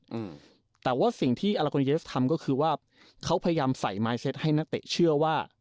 อืมแต่ว่าสิ่งที่ทำก็คือว่าเขาพยายามใส่ให้นักเตะเชื่อว่า